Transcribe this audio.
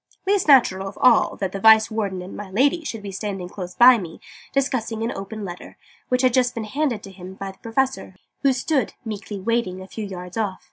least natural of all that the Vice Warden and 'my Lady' should be standing close beside me, discussing an open letter, which had just been handed to him by the Professor, who stood, meekly waiting, a few yards off.